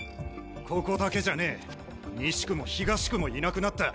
ここだけじゃねえ西区も東区もいなくなった。